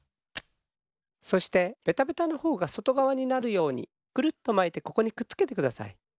そしてベタベタのほうがそとがわになるようにくるっとまいてここにくっつけてください。